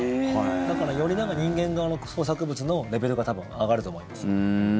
だからより人間側の創作物のレベルが多分、上がると思います。